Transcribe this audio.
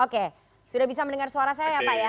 oke sudah bisa mendengar suara saya ya pak ya